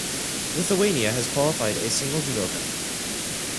Lithuania has qualified a single judoka.